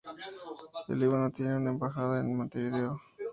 El Líbano tiene una embajada en Montevideo.